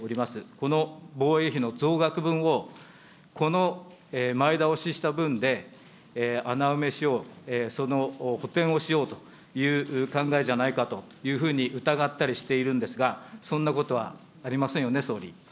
この防衛費の増額分をこの前倒しした分で穴埋めしよう、その補填をしようという考えじゃないかというふうに疑ったりしているんですが、そんなことはありませんよね、総理。